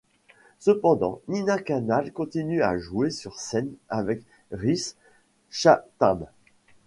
Cependant Nina Canal continue à jouer sur scène avec Rhys Chatham.